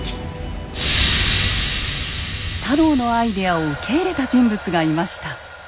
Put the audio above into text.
太郎のアイデアを受け入れた人物がいました。